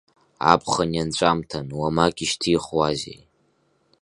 Аԥхын ианҵәамҭан, уамак ишьҭихуази.